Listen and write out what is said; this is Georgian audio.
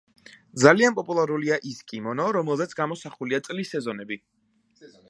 ძალიან პოპულარულია ის კიმონო, რომელზეც გამოსახულია წლის სეზონები.